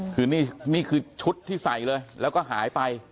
คือนี่คือชุดที่ใส่เลยแล้วก็หายไป